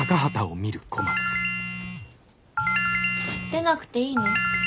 出なくていいの？